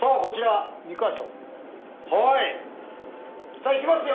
さあいきますよ。